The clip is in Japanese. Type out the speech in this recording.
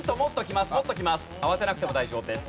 慌てなくても大丈夫です。